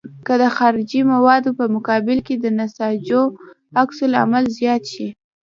که د خارجي موادو په مقابل کې د انساجو عکس العمل زیات شي.